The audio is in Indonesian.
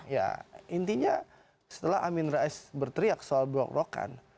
ya intinya setelah amin rais berteriak soal blok blokan